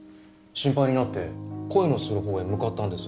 心配になって声のする方へ向かったんです。